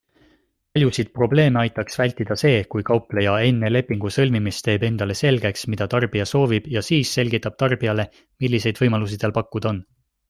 Paljusid probleeme aitaks vältida see, kui kaupleja enne lepingu sõlmimist teeb endale selgeks, mida tarbija soovib ja siis selgitab tarbijale, milliseid võimalusi tal pakkuda on.